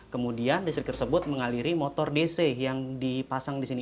kemudian listrik tersebut mengaliri motor dc yang dipasang di sini